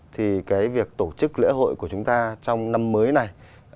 thì cái việc tổ chức lễ hội của chúng ta trong năm mới này